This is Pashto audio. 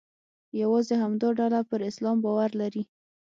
یوازې همدا ډله پر اسلام باور لري.